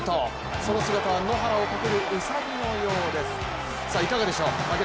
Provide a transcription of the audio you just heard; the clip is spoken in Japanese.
その姿は野原を駆けるうさぎのようです。